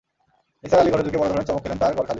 নিসার আলি ঘরে ঢুকে বড় ধরনের চমক খেলেন-তাঁর ঘর খালি।